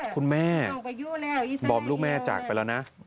คุณแม่บอมลูกแม่จากไปแล้วนะ